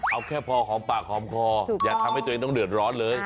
เอาแค่พอหอมปากหอมคออย่าทำให้ตัวเองต้องเดือดร้อนเลย